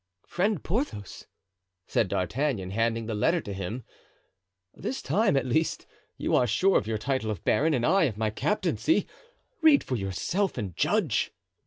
"Friend Porthos," said D'Artagnan, handing the letter to him, "this time, at least, you are sure of your title of baron, and I of my captaincy. Read for yourself and judge."